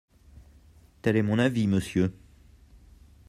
Tel est mon avis, Monsieur!